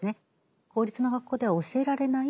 公立の学校では教えられない